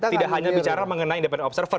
tidak hanya bicara mengenai independent observer